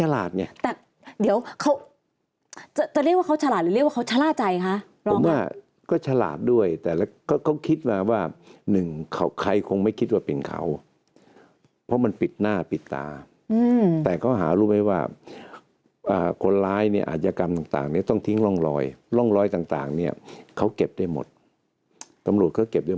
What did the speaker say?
แล้วก็อย่างหนึ่งเนี่ยทุกตำรวจก็ต้องมั่นไห้ในสหารแน่